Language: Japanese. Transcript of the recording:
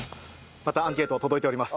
またアンケート届いております。